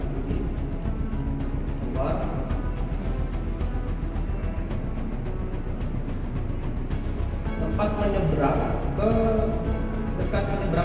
sempat menyeberang ke dekat penyeberang